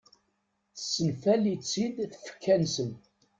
Tessenfali-tt-id tfekka-nsen.